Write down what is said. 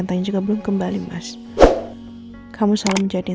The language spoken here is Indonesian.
nanti saya ke ruangan randy